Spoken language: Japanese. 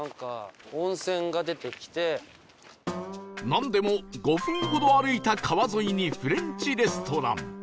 なんでも５分ほど歩いた川沿いにフレンチレストラン